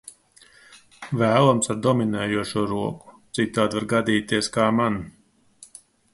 Vēlams ar dominējošo roku, citādi var gadīties, kā man.